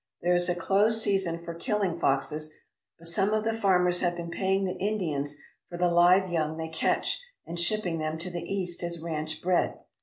There is a closed season for killing foxes, but some of the farmers have been paying the In dians for the live young they catch, and shipping them to the east as ranch bred.